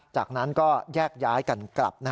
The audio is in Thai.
จากนั้นก็แยกย้ายกันกลับ